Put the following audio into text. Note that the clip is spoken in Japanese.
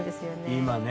今ね。